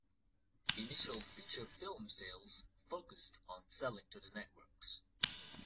Initial feature film sales focused on selling to the networks.